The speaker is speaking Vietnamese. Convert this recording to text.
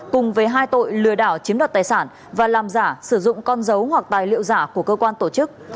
cùng với hai tội lừa đảo chiếm đoạt tài sản và làm giả sử dụng con dấu hoặc tài liệu giả của cơ quan tổ chức